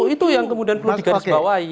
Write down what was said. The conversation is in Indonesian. itu yang kemudian perlu digarisbawahi